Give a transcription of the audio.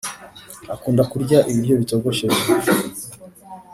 akunda kurya ibiryo bitogosheje